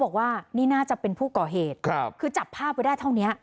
บอกว่านี่น่าจะเป็นผู้ก่อเหตุคือจับภาพไว้ได้เท่านี้